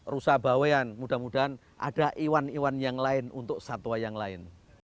rusa bawean mudah mudahan ada iwan iwan yang lain untuk satwa yang lain